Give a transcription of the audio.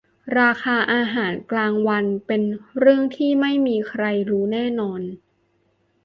ราคาอาหารกลางวันเป็นเรื่องที่ไม่มีใครรู้แน่นอน